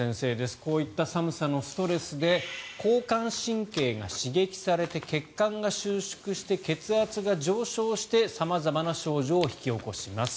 こういった寒さのストレスで交感神経が刺激されて血管が収縮して、血圧が上昇して様々な症状を引き起こします。